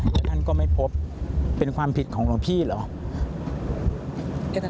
แล้วท่านก็ไม่พบเป็นความผิดของหนูพี่หรือ